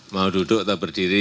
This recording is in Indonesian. mau duduk atau berdiri